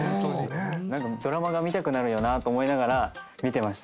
ドラマが見たくなるよなと思いながら見てました。